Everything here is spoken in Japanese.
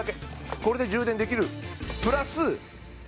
これで充電できるプラス。